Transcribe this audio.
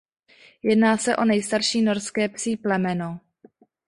Jedná se o nejstarší norské psí plemeno.